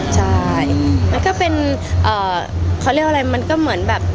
ใช่มันก็เป็นเขาเรียกว่าอะไรมันก็เหมือนแบบ